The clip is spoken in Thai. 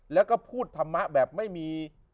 แล้วก็พูดธรรมะแบบไม่มี